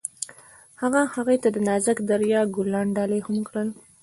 هغه هغې ته د نازک دریا ګلان ډالۍ هم کړل.